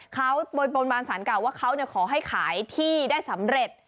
เขาบนบานสารเก่าว่าเขาขอให้ขายที่ได้สำเร็จ